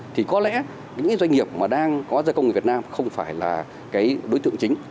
thì có lẽ những doanh nghiệp mà đang có gia công người việt nam không phải là cái đối tượng chính